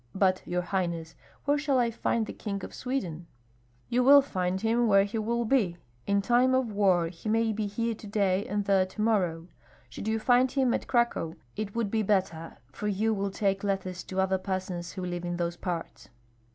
"But, your highness, where shall I find the King of Sweden?" "You will find him where he will be. In time of war he may be here to day and there to morrow. Should you find him at Cracow, it would be better, for you will take letters to other persons who live in those parts."